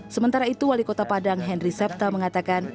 sementara itu wali kota padang henry septa mengatakan